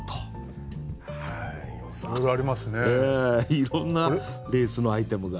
いろんなレースのアイテムが。